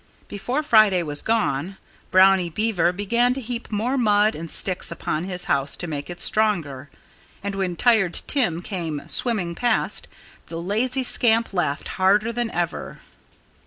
Before Friday was gone Brownie Beaver began to heap more mud and sticks upon his house, to make it stronger. And when Tired Tim came swimming past the lazy scamp laughed harder than ever.